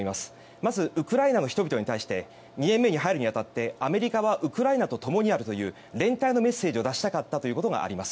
まずウクライナの人々に対して２年目に入るに当たってアメリカはウクライナと共にあるという連帯のメッセージを出したかったということがあります。